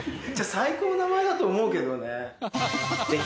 最高の名前だと思うけどね。